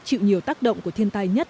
chịu nhiều tác động của thiên tai nhất